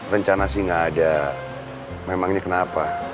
rencana sih gak ada memangnya kenapa